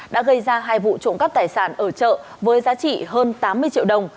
đã gây ra hai vụ trộm cắp tài sản ở chợ